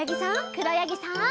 くろやぎさん。